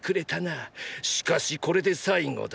「しかしこれで最後だ」